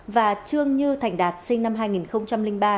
và trương như thành đạt sinh năm hai nghìn ba